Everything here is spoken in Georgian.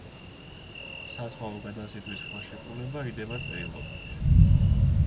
საზღვაო გადაზიდვის ხელშეკრულება იდება წერილობით.